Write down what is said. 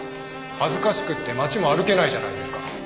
恥ずかしくって街も歩けないじゃないですか。